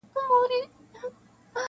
• په ایرو کي ګوتي مه وهه اور به پکښې وي -